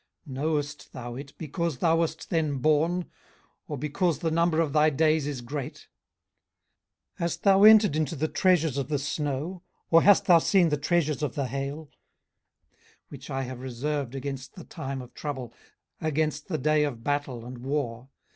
18:038:021 Knowest thou it, because thou wast then born? or because the number of thy days is great? 18:038:022 Hast thou entered into the treasures of the snow? or hast thou seen the treasures of the hail, 18:038:023 Which I have reserved against the time of trouble, against the day of battle and war?